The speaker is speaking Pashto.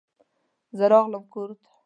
زه راغلم کور ته.